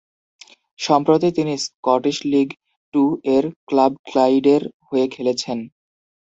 সম্প্রতি তিনি Scottish league টু-এর ক্লাব ক্লাইডের হয়ে খেলেছেন।